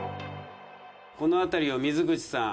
この辺りを水口さん。